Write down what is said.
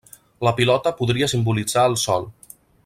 La pilota podria simbolitzar el sol.